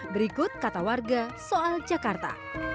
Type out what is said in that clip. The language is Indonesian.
berikut kata warga soal jakarta